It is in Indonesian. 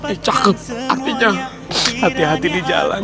eh cakep artinya jangan hati hati di jalan